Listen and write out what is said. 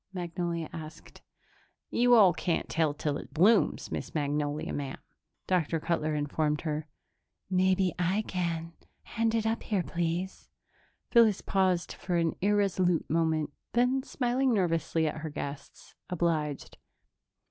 Magnolia asked. "You all can't tell till it blooms, Miss Magnolia, ma'am," Dr. Cutler informed her. "Maybe I can. Hand it up here, please." Phyllis paused for an irresolute moment, then, smiling nervously at her guests, obliged.